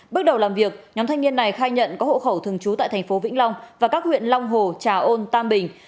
lực lượng công an đã phát hiện thu giữ một bộ khẩu thường trú tại tp vĩnh long và các huyện long hồ trà ôn tam bình